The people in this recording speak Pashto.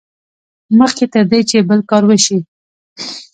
مخکې تر دې چې بل کار وشي.